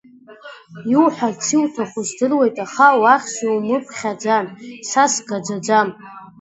Иуҳәарц иуҭаху здыруеит, аха уахь сумԥхьаӡан, са сгаӡаӡам.